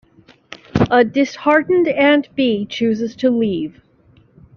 A disheartened Aunt Bee chooses to leave.